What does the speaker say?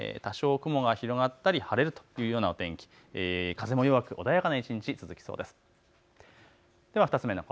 夜にかけて多少、雲が広がったり晴れるというようなお天気、風も弱く穏やかな一日、続きそうです。